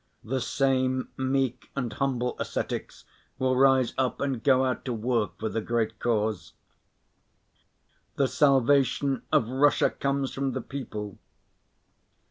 The same meek and humble ascetics will rise up and go out to work for the great cause. The salvation of Russia comes from the people.